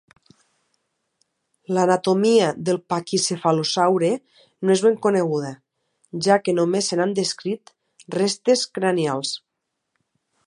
L'anatomia del paquicefalosaure no és ben coneguda, ja que només se n'han descrit restes cranials.